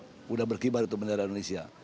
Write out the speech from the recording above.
sudah berkibar itu bendera indonesia